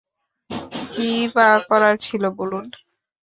কীইবা করার ছিল বলুন?